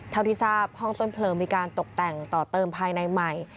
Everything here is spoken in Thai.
เท่าที่ทราบห้องต้นเพลิงมีการตกแต่งต่อเติมภายในใหม่